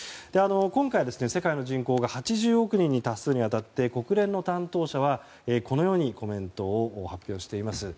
今回、世界の人口が８０億人に達するにあたって国連の担当者はこのようにコメントを発表しています。